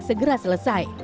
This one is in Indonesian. balek segera selesai